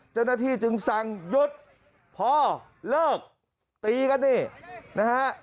เจ้าหน้าที่จึงสั่งหยุดพอเลิกตีกันนี่นะฮะ